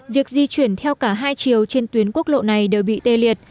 việc di chuyển theo cả hai chiều trên tuyến quốc lộ này đều bị tê liệt